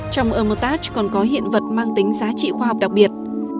trong hmotage còn có hiện vật mang tính giá trị khoa học đặc biệt